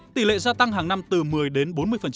tỷ lệ gia tăng hàng năm từ một mươi đến bốn mươi